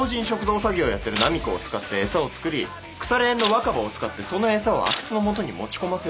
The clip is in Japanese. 詐欺をやってる波子を使って餌を作り腐れ縁の若葉を使ってその餌を阿久津の元に持ち込ませる。